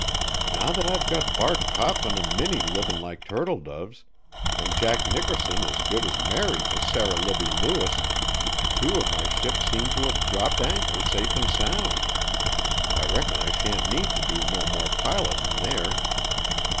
"Now that I've got Bart Coffin an' Minnie livin' like turtle doves, an' Jack Nickerson as good as married to Sarah Libbie Lewis, two of my ships seem to have dropped anchor safe an' sound. I reckon I shan't need to do no more pilotin' there."